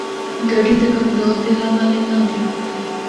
گڈی تے کمزور دلا والے نیں جُل ہکدے۔